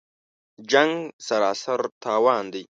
جـنګ سراسر تاوان دی